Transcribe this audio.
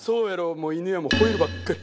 「もう戌やもん吠えるばっかり」。